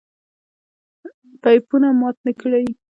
پيپونه مات نکړئ!